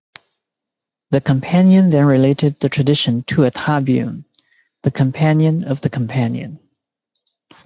The companion then related the tradition to a Tabi'un, the companion of the companion.